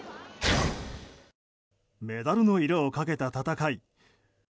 メダルの色をかけた戦い。